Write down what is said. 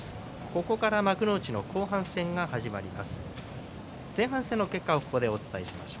ここから幕内の後半戦が始まります。